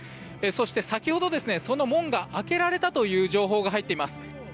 そして、先ほどその門が開けられたという情報が入っています。